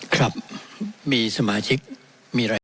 ครับมีสมาชิกมีอะไร